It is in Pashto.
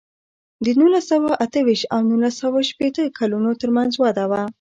د نولس سوه اته ویشت او نولس سوه شپېته کلونو ترمنځ وده وه.